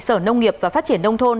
sở nông nghiệp và phát triển đông thôn